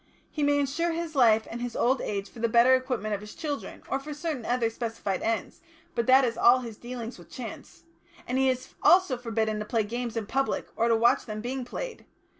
He may insure his life and his old age for the better equipment of his children, or for certain other specified ends, but that is all his dealings with chance. And he is also forbidden to play games in public or to watch them being played.